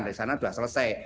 dari sana sudah selesai